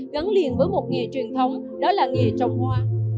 gắn liền với một nghề truyền thống đó là nghề trồng hoa